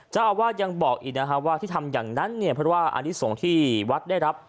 เจ้าอาวาสยังบอกอีกนะครับว่าที่ทำอย่างนั้นเนี่ยเพราะว่าอันนี้ส่งที่วัดได้รับ